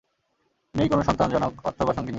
নেই কোন সন্তান, জনক, অর্থ বা সঙ্গিনী।